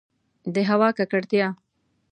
د هوا ککړتیا